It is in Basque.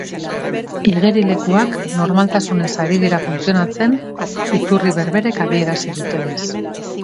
Igerilekuak normaltasunez ari dira funtzionatzen, iturri berberek adierazi dutenez.